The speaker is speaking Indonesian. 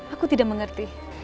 aku tidak mengerti